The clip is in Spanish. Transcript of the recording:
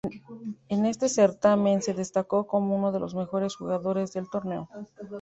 En este certamen se destacó como uno de los mejores jugadores del torneo.